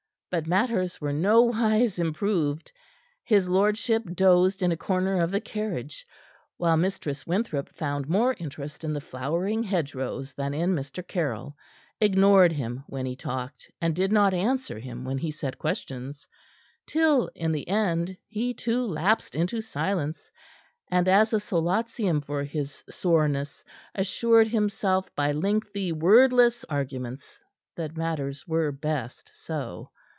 But matters were nowise improved. His lordship dozed in a corner of the carriage, while Mistress Winthrop found more interest in the flowering hedgerows than in Mr. Caryll, ignored him when he talked, and did not answer him when he set questions; till, in the end, he, too, lapsed into silence, and as a solatium for his soreness assured himself by lengthy, wordless arguments that matters were best so.